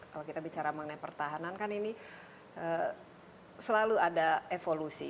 kalau kita bicara mengenai pertahanan kan ini selalu ada evolusi